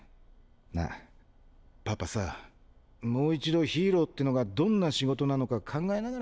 なぁパパさもう一度ヒーローってのがどんな仕事なのか考えながらやってみるよ。